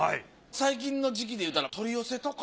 最近の時期で言うたら取り寄せとか。